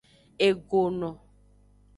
Egono.